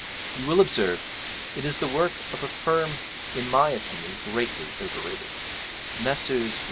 You will observe it is the work of a firm in my opinion greatly overrated Messrs.